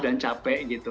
dan capek gitu